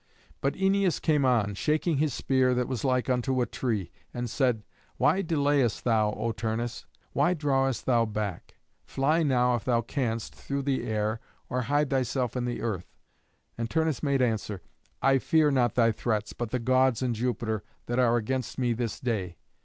But Æneas came on, shaking his spear that was like unto a tree, and said, "Why delayest thou, O Turnus? Why drawest thou back? Fly now if thou canst through the air, or hide thyself in the earth." And Turnus made answer, "I fear not thy threats, but the Gods and Jupiter, that are against me this day."